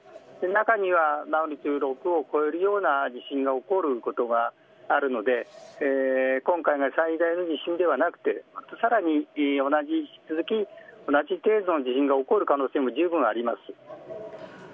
中にはマグニチュード６を超えるような地震が起こることがあるので今回が最大の地震ではなくてさらに引き続き同じ程度の地震が起きる可能性もじゅうぶんあります。